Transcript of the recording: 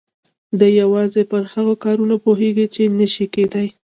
دی يوازې پر هغو کارونو پوهېږي چې نه شي کېدای.